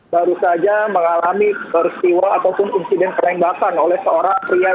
baru saja mengalami peristiwa ataupun insiden penembakan oleh seorang pria